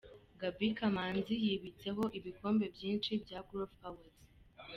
Gaby Kamanzi yibitseho ibikombe byinshi bya Groove Awards.